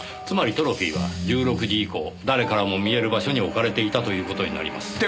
つまりトロフィーは１６時以降誰からも見える場所に置かれていたという事になります。